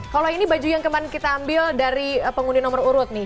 kalau ini baju yang kemarin kita ambil dari pengundi nomor urut nih